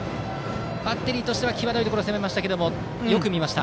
バッテリーとしては際どいところを攻めましたがよく見ました。